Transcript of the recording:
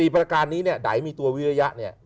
ประการนี้เนี่ยไหนมีตัววิริยะเนี่ย